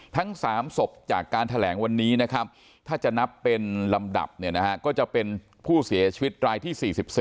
ทั้ง๓ศพจากการแถลงวันนี้นะครับถ้าจะนับเป็นลำดับเนี่ยนะฮะก็จะเป็นผู้เสียชีวิตรายที่๔๔